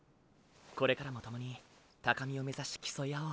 これからも共に高みを目指し競いあおう。